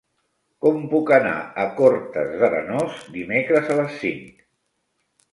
Com puc anar a Cortes d'Arenós dimecres a les cinc?